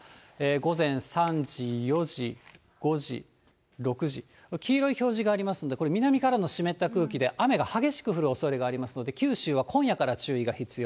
午前３時、４時、５時、６時、黄色い表示がありますんで、これ、南からの湿った空気で雨が激しく降るおそれがありますので、九州は今夜から注意が必要。